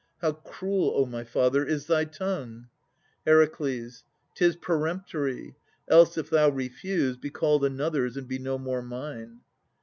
How cruel, O my father, is thy tongue! HER. 'Tis peremptory. Else, if thou refuse, Be called another's and be no more mine.